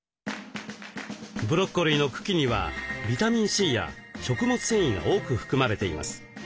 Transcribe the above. ブロッコリーの茎にはビタミンＣや食物繊維が多く含まれています。